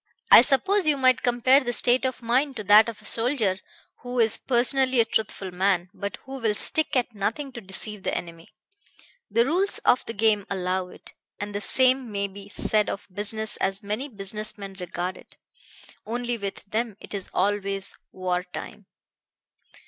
I suppose you might compare the state of mind to that of a soldier who is personally a truthful man, but who will stick at nothing to deceive the enemy. The rules of the game allow it; and the same may be said of business as many business men regard it. Only with them it is always war time."